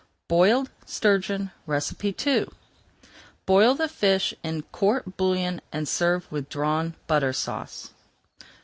BOILED STURGEON II Boil the fish in court bouillon and serve with Drawn Butter Sauce.